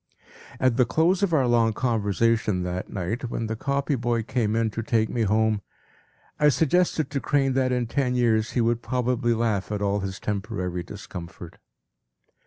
p> At the close of our long conversation that night, when the copy boy came in to take me home, I suggested to Crane that in ten years he would probably laugh at all his temporary discomfort.